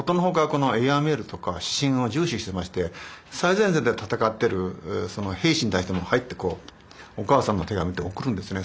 このエアメールとか私信を重視してまして最前線で戦ってる兵士に対してもはいってこうお母さんの手紙とか送るんですね。